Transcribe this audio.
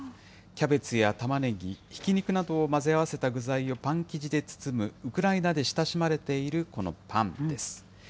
キャベツやたまねぎ、ひき肉などを混ぜ合わせた具材をパン生地で包む、ウクライナで親しまれているこのパンです。